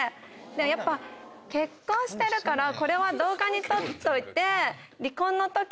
やっぱ結婚してるからこれは動画に撮っといて。